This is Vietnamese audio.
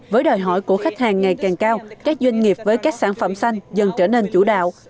với đòi hỏi của khách hàng ngày càng cao các doanh nghiệp với các sản phẩm xanh dần trở nên chủ đạo